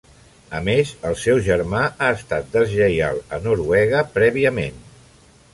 A més, el seu germà ha estat deslleial a Noruega prèviament.